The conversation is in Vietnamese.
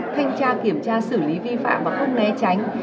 thanh tra kiểm tra xử lý vi phạm và không né tránh